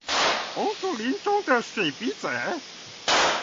紅樹林中的水筆仔